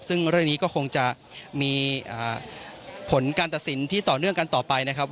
ซึ่งเรื่องนี้ก็คงจะมีผลการตัดสินที่ต่อเนื่องกันต่อไปนะครับ